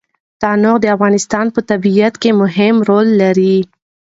تنوع د افغانستان په طبیعت کې مهم رول لري.